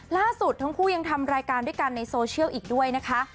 ล่าสุดทั้งคู่ยังทำรายการด้วยกันในโซเชียลอีกด้วยนะคะ